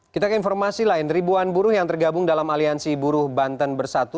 kita ke informasi lain ribuan buruh yang tergabung dalam aliansi buruh banten bersatu